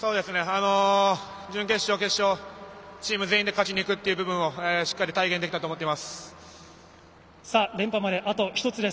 準決勝、決勝チーム全員で勝ちに行く部分をしっかり体現できたと思います。